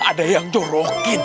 ada yang jorokin